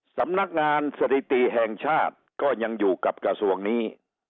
สำนักงานสถิติแห่งชาติก็ยังอยู่กับกระทรวงนี้